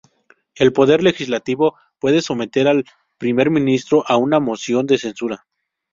El poder legislativo puede someter al primer ministro a una moción de censura.